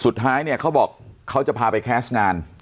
สุดท้ายเนี่ยเขาบอกเขาจะพาไปแคสต์งาน